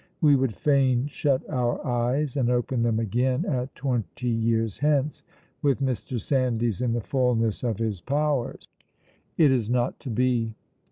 We would fain shut our eyes, and open them again at twenty years hence, with Mr. Sandys in the fulness of his powers. It is not to be.